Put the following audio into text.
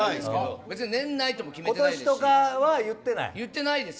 今年とかは言ってないですよ